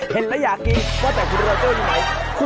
เห็นแล้วอยากกินว่าแต่คุณโรเจอร์อยู่ไหน